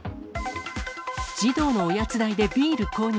児童のおやつ代でビール購入。